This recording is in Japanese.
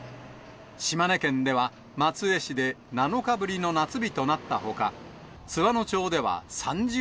島根県では、松江市で７日ぶりの夏日となったほか、津和野町では３０度。